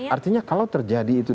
artinya kalau terjadi itu